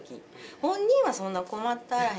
本人はそんな困ってあらへんと思う。